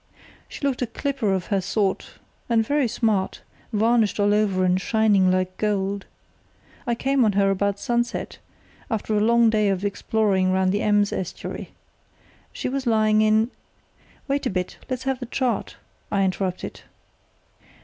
She looked a clipper of her sort, and very smart; varnished all over and shining like gold. I came on her about sunset, after a long day of exploring round the Ems estuary. She was lying in——" "Wait a bit, let's have the chart," I interrupted.